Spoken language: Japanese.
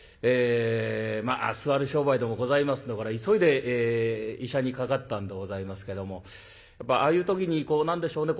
まあ座る商売でもございますんでこれは急いで医者にかかったんでございますけどもやっぱああいう時に何でしょうね